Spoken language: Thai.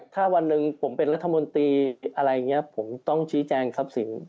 ถ้าวันหนึ่งผมเป็นรัฐมนตรีอะไรอย่างนี้ผมต้องชี้แจงทรัพย์สิน